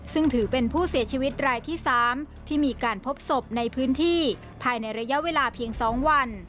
ซึ่งถือเป็นผู้เสียชีวิตรายที่๓ที่มีการพบศพในพื้นที่ภายในระยะเวลาเพียง๒วัน